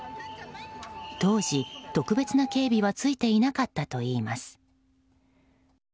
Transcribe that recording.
当時、特別な警備はついていなかったといいます。